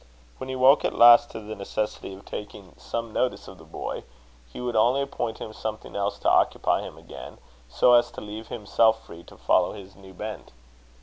When he woke at last to the necessity of taking some notice of the boy, he would only appoint him something else to occupy him again, so as to leave himself free to follow his new bent.